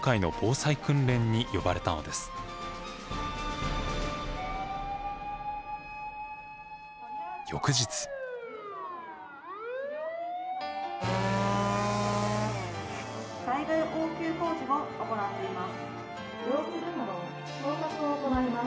「災害応急工事も行っています。